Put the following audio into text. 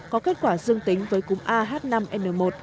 có kết quả dương tính với cúm a h năm n một